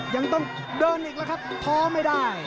ยังต้องเดินอีกแล้วครับท้อไม่ได้